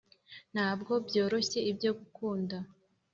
ntabwo byoroshye ibyo gukunda